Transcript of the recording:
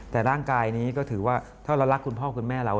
แต่ร่างกายนี้ก็ถือว่า